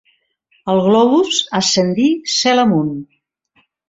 El globus ascendí cel amunt.